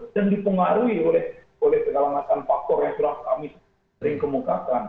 dan dipengaruhi oleh segala macam faktor yang sudah kami sering kemukakan